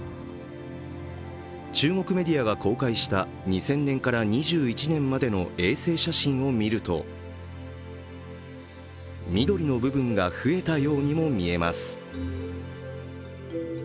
中国メディアが公開した２０００年から２１年までの衛星写真を見ると、緑の部分が増えたようにも見えます。